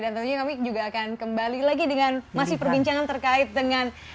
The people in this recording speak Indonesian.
dan tentunya kami juga akan kembali lagi dengan masih perbincangan terkait dengan